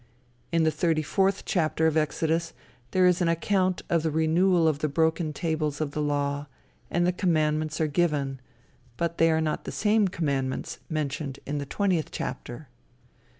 In the thirty fourth chapter of Exodus, there is an account of the renewal of the broken tables of the law, and the commandments are given, but they are not the same commandments mentioned in the twentieth chapter.